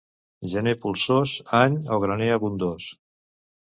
Gener polsós, any o graner abundós.